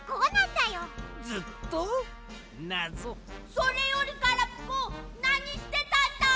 それよりガラピコなにしてたんだい！？